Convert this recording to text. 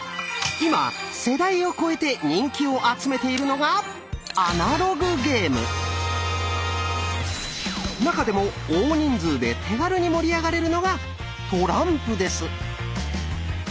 今世代を超えて人気を集めているのが中でも大人数で手軽に盛り上がれるのがトランプです。